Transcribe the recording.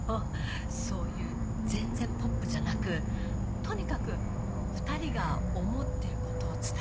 そういう全然ポップじゃなくとにかく２人が思ってることを伝える。